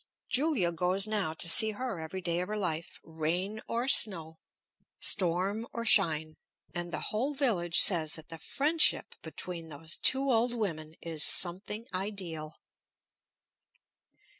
Julia goes now to see her every day of her life, rain or snow, storm or shine; and the whole village says that the friendship between those two old women is something ideal.